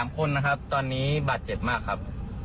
๓คนนะครับตอนนี้บาดเจ็บมากครับ